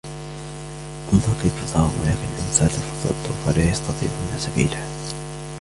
انظر كيف ضربوا لك الأمثال فضلوا فلا يستطيعون سبيلا